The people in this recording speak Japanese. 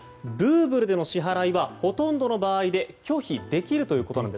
ルーブルでの支払いはほとんどの場合で拒否できると。